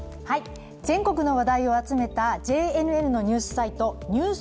全国の話題を集めたＪＮＮのニュースサイト「ＮＥＷＳＤＩＧ」。